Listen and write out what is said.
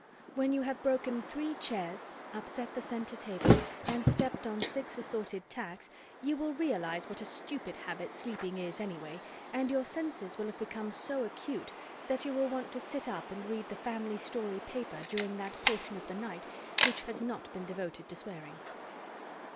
When you have broken three chairs, upset the centre table and stepped on six assorted tacks, you will realize what a stupid habit sleeping is anyway, and your senses will have become so acute that you will want to sit up and read the Family Story Paper during that portion of the night which has not been devoted to swearing.